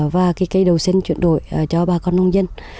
và cây đậu xanh chuyển đổi cho bà con nông dân